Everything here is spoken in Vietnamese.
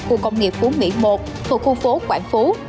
khu công nghiệp phú mỹ một thuộc khu phố quảng phú